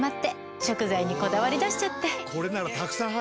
これならたくさん入るな。